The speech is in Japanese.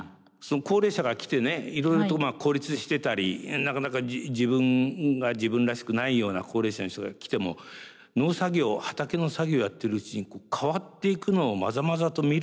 高齢者が来てねいろいろと孤立してたりなかなか自分が自分らしくないような高齢者の人が来ても農作業畑の作業やってるうちに変わっていくのをまざまざと見ることができる。